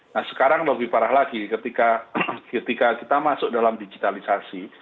nah sekarang lebih parah lagi ketika kita masuk dalam digitalisasi